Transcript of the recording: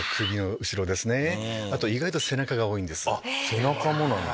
背中もなんだ。